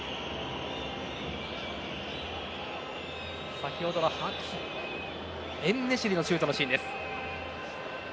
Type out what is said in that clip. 先ほどのエンネシリのシュートのシーンです。